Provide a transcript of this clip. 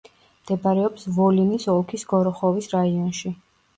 მდებარეობს ვოლინის ოლქის გოროხოვის რაიონში.